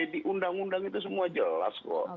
di undang undang itu semua jelas kok